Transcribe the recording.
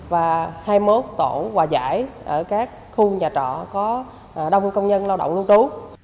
và hai mươi một tổ quà giải ở các khu nhà trọ có đông công nhân lao động lưu trú